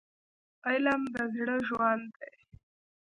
علم د زړه ژوند دی.